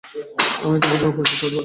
আমি তোমার জন্য অপরিচিত হতে পারি।